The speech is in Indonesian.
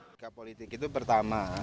sikap politik itu pertama